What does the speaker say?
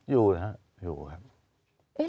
อยู่นะครับอยู่ครับ